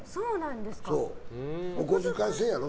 お小遣い制やろ？